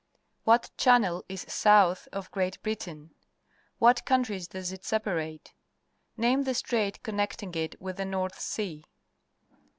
What channel is south of Great Britain? What countries does it separate ? Name the strait connecting it with the North Sea.